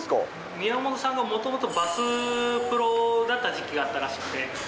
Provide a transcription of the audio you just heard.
宮本さんがもともとバスプロだった時期があったらしくて。